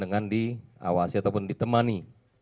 dengan diawasi ataupun ditemani